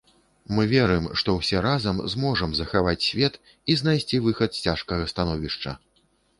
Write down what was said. Мы верым, што ўсе разам зможам захаваць свет і знайсці выхад з цяжкага становішча!